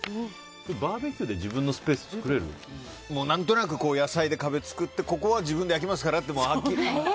バーベキューで自分のスペース作れる？何となく野菜で壁を作ってここは自分で焼きますからって。